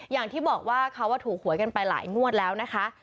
อย่างที่บอกว่าเขาถูกหวยกันไปหลายงวดแล้วนะคะ